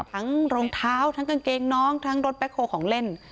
รองเท้าทั้งกางเกงน้องทั้งรถแบ็คโฮลของเล่น